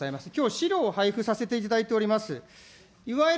きょう、資料を配付させていただいております。